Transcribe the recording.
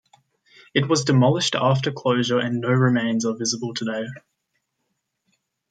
It was demolished after closure and no remains are visible today.